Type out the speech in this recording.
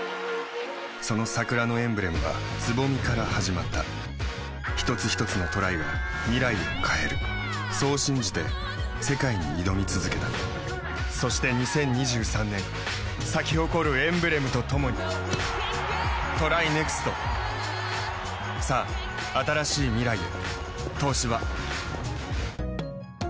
その桜のエンブレムは蕾から始まった一つひとつのトライが未来を変えるそう信じて世界に挑み続けたそして２０２３年咲き誇るエンブレムとともにＴＲＹＮＥＸＴさあ、新しい未来へ。